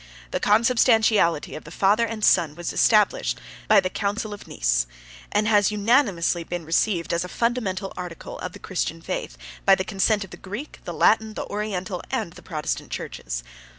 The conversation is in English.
The consubstantiality of the Father and the Son was established by the council of Nice, and has been unanimously received as a fundamental article of the Christian faith, by the consent of the Greek, the Latin, the Oriental, and the Protestant churches.